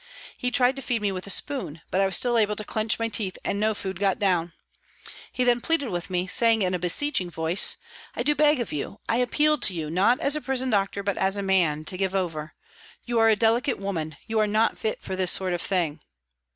He tried to feed me with a spoon, but I was still able to clench my teeth and no food got down. He then pleaded with me, saying in a beseeching voice, " I do beg of you I appeal to you, not as a prison doctor but as a man to give over. You are a delicate woman, you are not fit for this sort of thing."